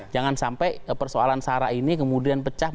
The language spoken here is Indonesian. jangan sampai persoalan sarah ini kemudian pecah